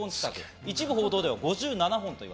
一部報道では５７本。